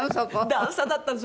段差だったんです。